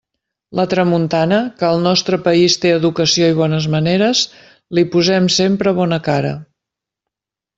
La tramuntana, que al nostre país té educació i bones maneres, li posem sempre bona cara.